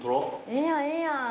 ええやんええやん。